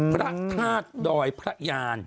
พระธาตุดอยพระยาน